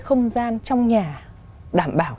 không gian trong nhà đảm bảo